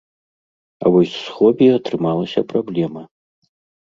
А вось з хобі атрымалася праблема.